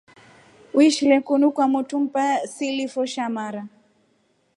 Uishile kunu kwa motu mbaa silifoe sha mara.